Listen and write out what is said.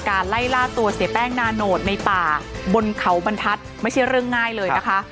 ไล่ล่าตัวเสียแป้งนาโนตในป่าบนเขาบรรทัศน์ไม่ใช่เรื่องง่ายเลยนะคะ